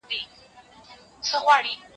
زه به سبا سبزیجات وچوم